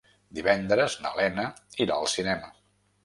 Divendres na Lena irà al cinema.